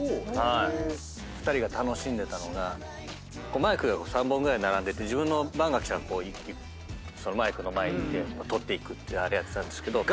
２人が楽しんでたのがマイクが３本ぐらい並んでて自分の番が来たらマイクの前に行って録っていくあれやってたんですけど。